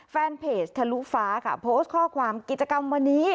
แฟนเพจทะลุฟ้าค่ะโพสต์ข้อความกิจกรรมวันนี้